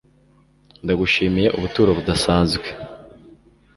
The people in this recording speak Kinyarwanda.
Ndagushimye ubuturo budasanzwe